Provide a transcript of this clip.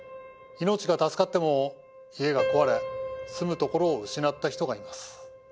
命が助かっても家が壊れ住むところを失った人がいます。